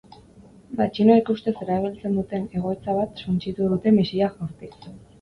Matxinoek ustez erabiltzen duten egoitza bat suntsitu dute misilak jaurtiz.